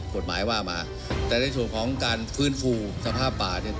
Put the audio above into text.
กฎหมายว่ามาแต่ในส่วนของการฟื้นฟูสภาพป่าเนี่ย